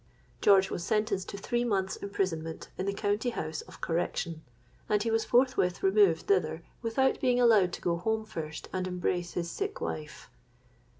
George was sentenced to three months' imprisonment in the County House of Correction; and he was forthwith removed thither without being allowed to go home first and embrace his sick wife.